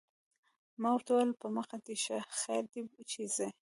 ما ورته وویل: په مخه دې ښه، خیر دی چې ځې.